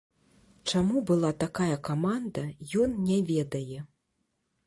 Чаму была такая каманда, ён не ведае.